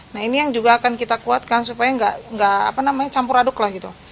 nah ini yang juga akan kita kuatkan supaya nggak campur aduk lah gitu